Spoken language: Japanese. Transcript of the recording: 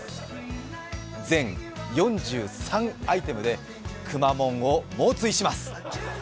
全４３アイテムでくまモンを猛追します！